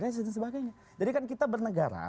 indonesia dan sebagainya jadi kan kita bernegara